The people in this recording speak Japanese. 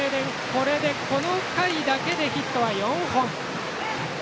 これでこの回だけでヒットは４本。